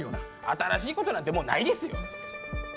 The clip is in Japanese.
新しい事なんてもうないですよ。